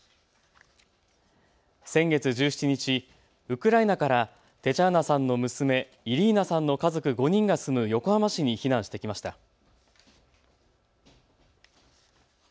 先月１７日、ウクライナからテチャーナさんの娘、イリーナさんの家族５人が住む横浜市に避難してきました。